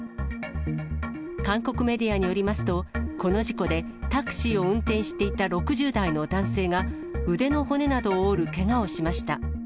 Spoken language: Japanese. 韓国メディアによりますと、この事故で、タクシーを運転していた６０代の男性が、腕の骨などを折るけがをしました。